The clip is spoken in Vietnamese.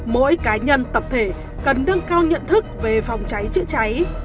mỗi cá nhân tập thể cần nâng cao nhận thức về phòng cháy chữa cháy